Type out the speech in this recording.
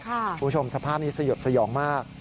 คุณผู้ชมสภาพนี้สยดสยองมาก